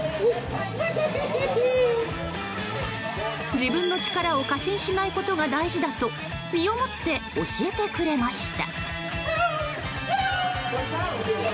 自分の力を過信しないことが大事だと身をもって教えてくれました。